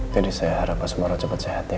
jadi saya harap pak sumarno cepat sehat ya